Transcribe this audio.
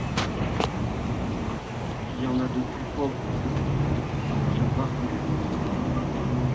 Il y en a de plus pauvres que vous, la Vargoulême.